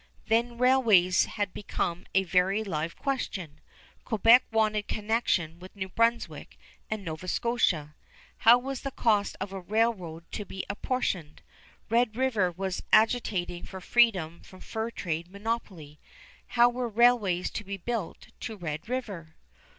Then railways had become a very live question. Quebec wanted connection with New Brunswick and Nova Scotia. How was the cost of a railroad to be apportioned? Red River was agitating for freedom from fur trade monopoly. How were railways to be built to Red River?